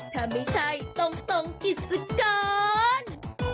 ถ้าไม่ใช่ตรงกิจสุดกร